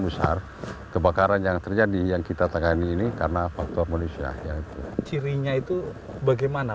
besar kebakaran yang terjadi yang kita tangani ini karena faktor manusia yang cirinya itu bagaimana